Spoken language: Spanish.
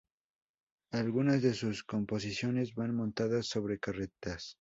Algunas de sus composiciones van montadas sobre carretas.